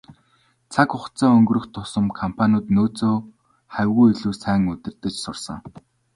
Цаг хугацаа өнгөрөх тусам компаниуд нөөцөө хавьгүй илүү сайн удирдаж сурсан.